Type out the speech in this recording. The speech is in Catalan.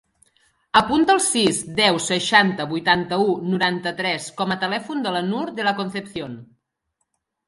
Apunta el sis, deu, seixanta, vuitanta-u, noranta-tres com a telèfon de la Nour De La Concepcion.